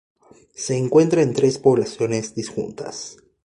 Se encuentra en tres poblaciones disjuntas.